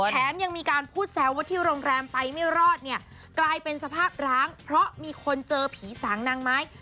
แถมยังมีการพูดแซวว่าที่โรงแรมไปไม่รอดเนี่ยกลายเป็นสภาพร้างเพราะมีคนเจอผีสางนางไม้